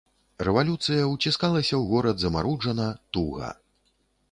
Рэвалюцыя ўціскалася ў горад замаруджана, туга.